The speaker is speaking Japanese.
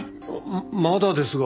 まだですが。